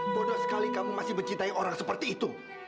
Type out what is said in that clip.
bodoh sekali kamu masih mencintai orang seperti itu